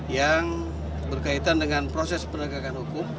yang berkaitan dengan proses penegakan hukum